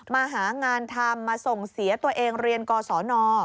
มาหางานทำมาส่งเสียตัวเองเรียนกศน